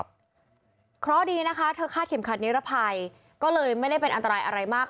เพราะดีนะคะเธอคาดเข็มขัดนิรภัยก็เลยไม่ได้เป็นอันตรายอะไรมาก